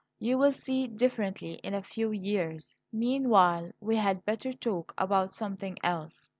You will see differently in a few years. Meanwhile we had better talk about something else."